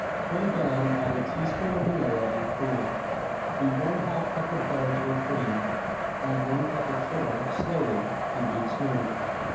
When done add a teaspoon of vanilla and cool. Beat one half cup of butter to a cream, add one cup of sugar slowly and beat smooth.